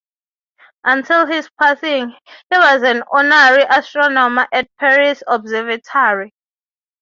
Until his passing, he was an honorary astronomer at the Paris Observatory.